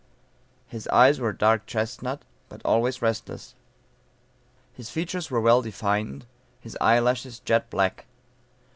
His eyes were dark chestnut, but always restless; his features were well defined; his eye lashes, jet black.